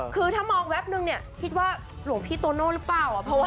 คือถ้ามองแวบนึงเนี่ยคิดว่าหลวงพี่โตโน่หรือเปล่า